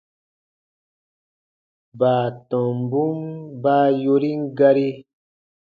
Baatɔmbun baa yorin gari.